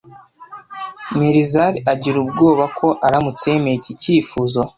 Melizari agira ubwoba ko aramutse yemeye iki cyifuzo